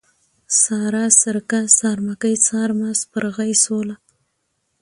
سارا ، سارکه ، سارمکۍ ، سارمه ، سپرغۍ ، سوله